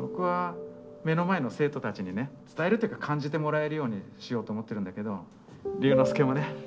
僕は目の前の生徒たちにね伝えるというか感じてもらえるようにしようと思ってるんだけど瑠之介もね